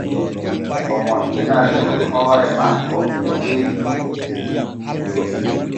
O moƴƴinan nun hoore makko de weeti fu.